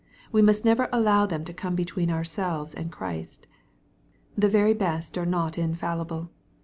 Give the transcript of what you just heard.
We must never allow them to come between ourselves and Christ. The very best are not infallible.